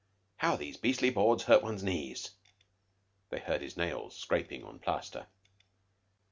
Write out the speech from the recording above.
How these beastly boards hurt one's knees!" They heard his nails scraping, on plaster.